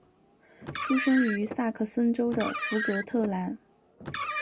出生于萨克森州的福格特兰。